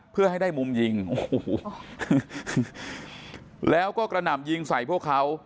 เพื่อให้ได้มุมยิงโอ้โหแล้วก็กระหน่ำยิงใส่พวกเขา